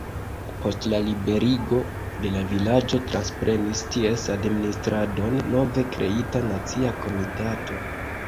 Post la liberigo de la vilaĝo transprenis ties administradon nove kreita nacia komitato.